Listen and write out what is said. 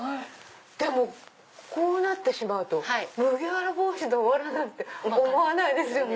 でもこうなってしまうと麦わら帽子のわらなんて思わないですよね。